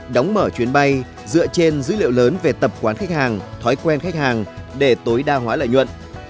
đóng mở chuyến bay dựa trên dữ liệu lớn về tập quán khách hàng thói quen khách hàng để tối đa hóa lợi nhuận